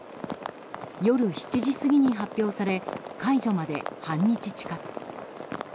夜７時過ぎに発表され解除まで半日近く。